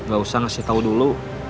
gak usah ngasih tahu dulu